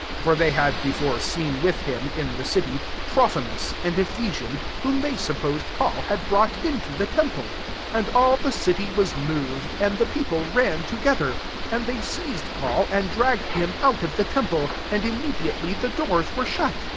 29 (For they had •before seen with him, in the city Trophimus, art Ephesian, whom they supposed Paul had brought into the temple.) 30 And all the city was moved, and the people ran togelber; and they seized Paul, and drag ged him out of the temple: and immediately the doors were shut.